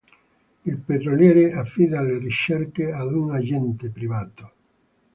Il petroliere, affida le ricerche ad un agente privato.